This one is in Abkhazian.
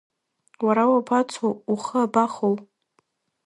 Уара уабацо, ухы абахоу?